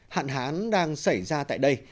hạn hán đang xảy ra tại đây